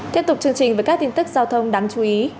tiếp tục chương trình với các tin tức giao thông đáng chú ý